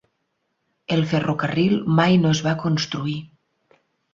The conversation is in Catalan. El ferrocarril mai no es va construir.